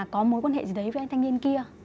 có mối quan hệ gì đấy với anh thanh niên kia